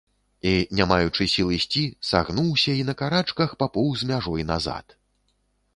І, не маючы сіл ісці, сагнуўся і на карачках папоўз мяжой назад.